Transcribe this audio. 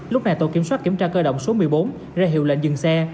lúc này tổ kiểm soát kiểm tra cơ động số một mươi bốn ra hiệu lệnh dừng xe